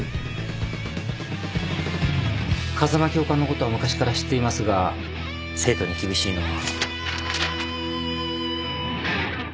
風間教官のことは昔から知っていますが生徒に厳しいのは。